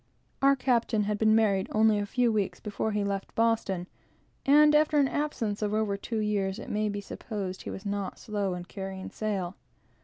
Our captain had been married only a few weeks before he left Boston; and, after an absence of over two years, it may be supposed he was not slow in carrying sail.